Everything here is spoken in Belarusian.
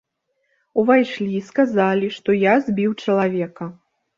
Увайшлі, сказалі, што я збіў чалавека.